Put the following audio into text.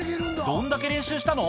どんだけ練習したの？